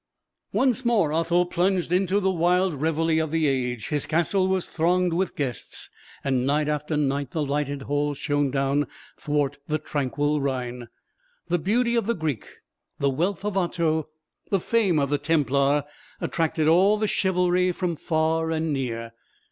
Once more Otho plunged into the wild revelry of the age; his castle was thronged with guests, and night after night the lighted halls shone down thwart the tranquil Rhine. The beauty of the Greek, the wealth of Otho, the fame of the Templar, attracted all the chivalry from far and near.